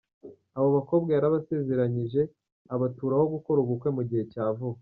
Abo bakobwa yarabasezeranyije abaturaho gukora ubukwe mu gihe cya vuba.